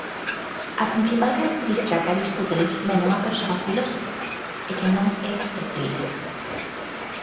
A principal característica que Aristóteles ve nunha persoa filósofa é que non é especialista.